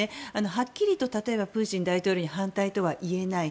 はっきりと例えばプーチン大統領に反対とは言えない。